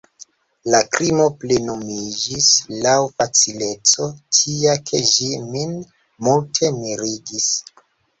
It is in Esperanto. La krimo plenumiĝis laŭ facileco tia, ke ĝi min multe mirigis.